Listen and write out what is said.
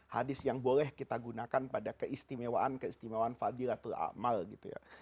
hadis yang boleh kita gunakan pada keistimewaan keistimewaan fadilatul amal gitu ya